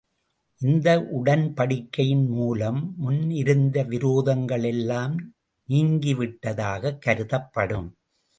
இந்த உடன்படிக்கையின் மூலம் முன்னிருந்த விரோதங்கள் எல்லாம் நீங்கிவிட்டதாகக் கருதப்படும்.